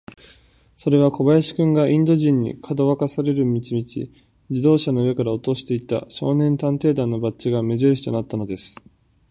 それは小林君が、インド人に、かどわかされる道々、自動車の上から落としていった、少年探偵団のバッジが目じるしとなったのです。